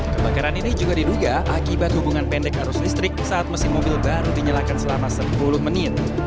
kebakaran ini juga diduga akibat hubungan pendek arus listrik saat mesin mobil baru dinyalakan selama sepuluh menit